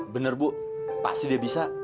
benar bu pasti dia bisa